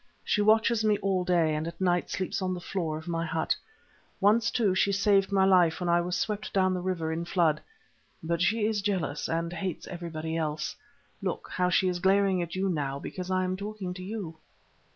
She watches me all day, and at night sleeps on the floor of my hut. Once, too, she saved my life when I was swept down the river in flood; but she is jealous, and hates everybody else. Look, how she is glaring at you now because I am talking to you!"